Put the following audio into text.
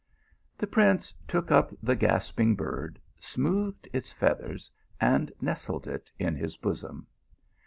The prince took up the gasping bird, smoothed its feathers, and nestled it in his bosom.